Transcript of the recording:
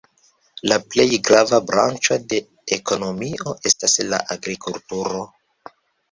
La plej grava branĉo de ekonomio estas la agrikulturo.